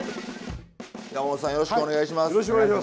山本さんよろしくお願いします。